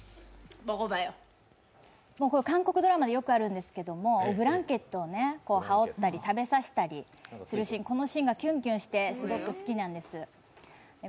韓国ドラマでよくあるんですけどブランケットを羽織ったり食べさせたりするシーン、このシーンがキュンキュンしてすごく好きなんです。